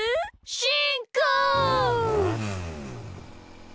しんこう！